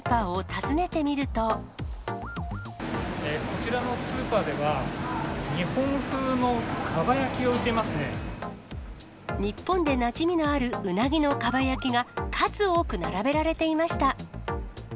こちらのスーパーでは、日本でなじみのあるうなぎのかば焼きが数多く並べられていました。